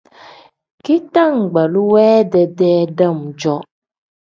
Bitangbaluu we dedee dam-jo.